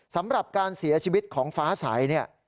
สำหรับการเสียชีวิตของฟ้าใสเนี่ย